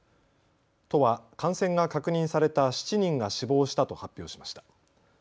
都は感染が確認された７人が死亡したと発表しました。